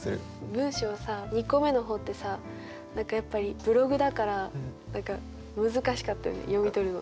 文章さ２個めの方ってさ何かやっぱりブログだから何か難しかったよね読み取るの。